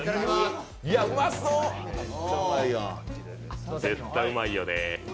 うまそう、絶対うまいよね。